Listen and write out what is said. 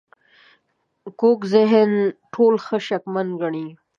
کوږ ذهن ټول ښه شکمن ګڼي